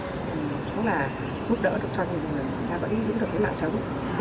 rất là giúp đỡ được cho nhiều người và vẫn giữ được cái mạng sống